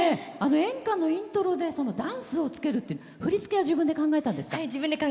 演歌のイントロでダンスを付けるっていう振り付けは自分で考えたんですか？